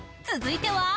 続いては。